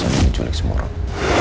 andi diculik semua orang